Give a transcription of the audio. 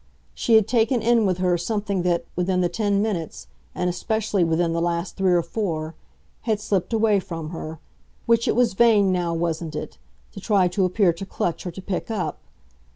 She had taken in with her something that, within the ten minutes, and especially within the last three or four, had slipped away from her which it was vain now, wasn't it? to try to appear to clutch or to pick up.